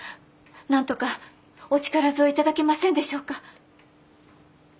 なんとかお力添えいただけませんでしょうか？